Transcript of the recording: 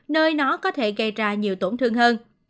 nơi nó có thể gây ra nhiều tổn thương hơn